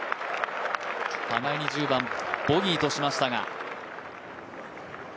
互いに１０番ボギーとしましたが。